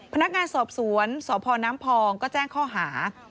พนักงานสอบสวนสพน้ำพองก็แจ้งข้อหา